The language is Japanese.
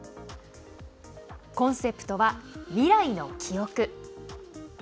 コンセプトは「未来の記憶」。